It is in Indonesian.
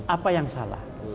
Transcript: apa yang salah